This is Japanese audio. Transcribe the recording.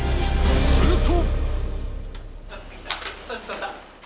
すると。